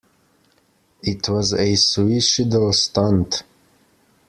It was a suicidal stunt.